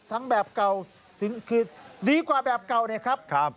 ทั้งแบบเก่าถึงคือดีกว่าแบบเก่านะครับ